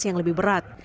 yang lebih berat